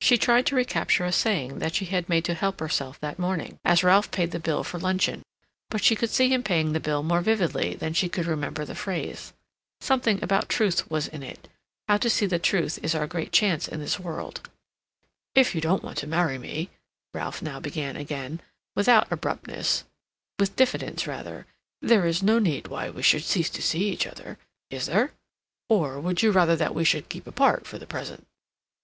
She tried to recapture a saying she had made to help herself that morning, as Ralph paid the bill for luncheon; but she could see him paying the bill more vividly than she could remember the phrase. Something about truth was in it; how to see the truth is our great chance in this world. "If you don't want to marry me," Ralph now began again, without abruptness, with diffidence rather, "there is no need why we should cease to see each other, is there? Or would you rather that we should keep apart for the present?"